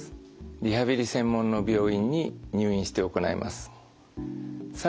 リハビリ専門の病院に入院して行います。